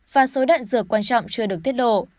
và số đạn dược quan trọng chưa được tiết lộ